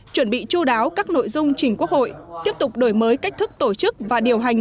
chuẩn bị chú đáo các nội dung trình quốc hội tiếp tục đổi mới cách thức tổ chức và điều hành